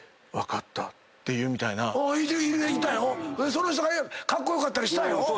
その人がカッコ良かったりしたよ。